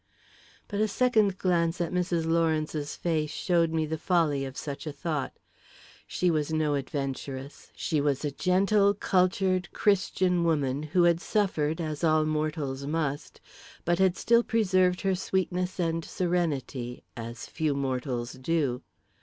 But a second glance at Mrs. Lawrence's face showed me the folly of such a thought. She was no adventuress she was a gentle, cultured Christian woman, who had suffered, as all mortals must, but had still preserved her sweetness and serenity, as few mortals do.